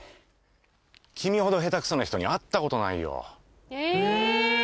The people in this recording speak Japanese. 君ほどヘタクソな人に会ったことないよえっ！？